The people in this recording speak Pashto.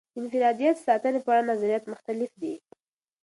د انفرادیت ساتنې په اړه نظریات مختلف دي.